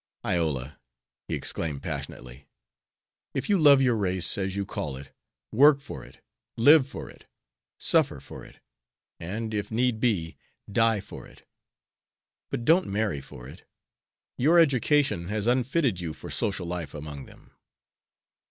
"Iola," he exclaimed, passionately, "if you love your race, as you call it, work for it, live for it, suffer for it, and, if need be, die for it; but don't marry for it. Your education has unfitted you for social life among them."